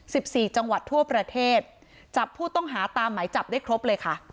สิบสี่จังหวัดทั่วประเทศจับผู้ต้องหาตามหมายจับได้ครบเลยค่ะ